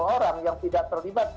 tiga puluh satu orang yang tidak terlibat